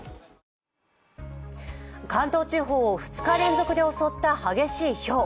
関東地方を２日連続で襲った激しいひょう。